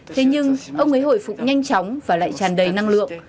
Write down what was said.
thế nhưng ông ấy hồi phục nhanh chóng và lại tràn đầy năng lượng